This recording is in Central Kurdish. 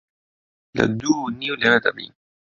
لە دوو و نیو لەوێ دەبین.